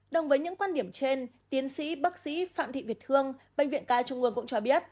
đồng với những quan điểm trên tiến sĩ bác sĩ phạm thị việt thương bệnh viện ca trung ương cũng cho biết